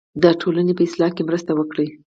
د ټولنې په اصلاح کې مرسته وکړئ.